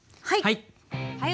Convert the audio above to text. はい。